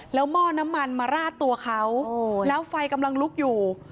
แล้วหม้อน้ำมันมาราดตัวเขาแล้วไฟกำลังลุกอยู่